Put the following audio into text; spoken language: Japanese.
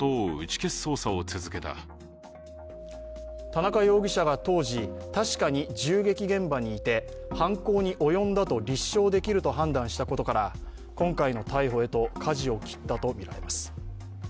田中容疑者が当時確かに銃撃現場にいて犯行に及んだと立証できると判断したことから今回の逮捕へと舵を切ったとみられます。